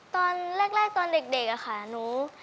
ตอนแรกตอนเด็กอะค่ะหนู